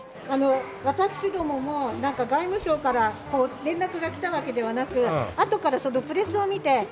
私共も外務省から連絡が来たわけではなくあとからプレスを見て。